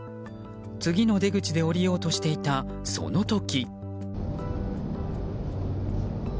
次の出口で降りようとしていたその時。